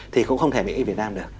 thì cũng không thể made in việt nam được